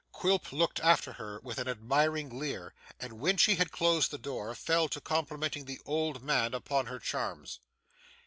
Quilp looked after her with an admiring leer, and when she had closed the door, fell to complimenting the old man upon her charms.